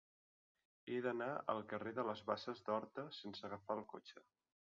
He d'anar al carrer de les Basses d'Horta sense agafar el cotxe.